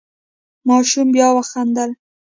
ماشوم بیا وخندل.